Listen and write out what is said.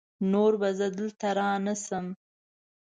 نور به زه دلته رانشم!